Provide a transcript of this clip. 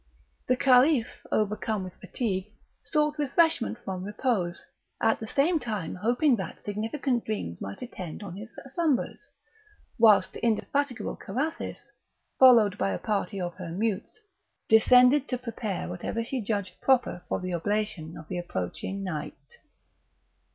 The Caliph, overcome with fatigue, sought refreshment from repose, at the same time hoping that significant dreams might attend on his slumbers; whilst the indefatigable Carathis, followed by a party of her mutes, descended to prepare whatever she judged proper for the oblation of the approaching night.